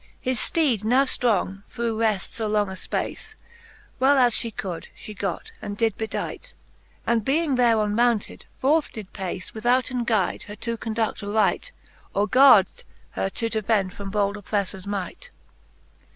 His fteede now ftrong through reft fo long a fpace, Well as fhe could, fhe got, and did bedight, And being thereon mounted, forth did pace, Withouten guide, her to condud: aright, Or gard her to defend from bold oppreiTors might.